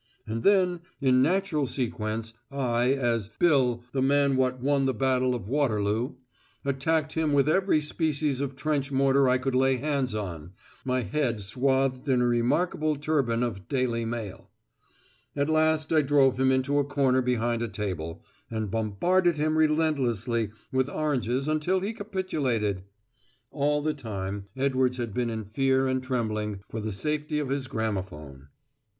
And then, in natural sequence, I, as "Bill, the man wot won the Battle of Waterloo," attacked him with every species of trench mortar I could lay hands on, my head swathed in a remarkable turban of Daily Mail. At last I drove him into a corner behind a table, and bombarded him relentlessly with oranges until he capitulated! All the time Edwards had been in fear and trembling for the safety of his gramophone.